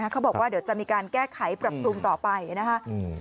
เขาบอกว่าเดี๋ยวจะมีการแก้ไขปรับปรุงต่อไปนะครับ